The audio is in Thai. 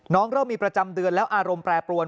เริ่มมีประจำเดือนแล้วอารมณ์แปรปรวน